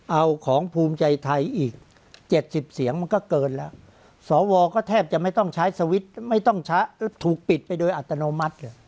เอาของภูมิใจไทยอีก๗๐เสียงมันก็เกิดแล้วสวก็แทบจะไม่ต้องใช้สวทุกปิดไปโดยอัตโนมัติ